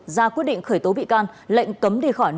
ra quyết định khởi tố bị can lệnh cấm điều khiển